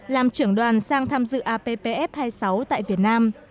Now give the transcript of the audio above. làm trưởng đoàn sang tham dự appf hai mươi sáu tại việt nam